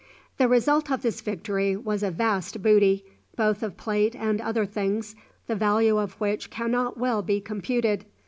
The result of this victory was a vast booty, both of plate and other things, the value of which cannot well be computed.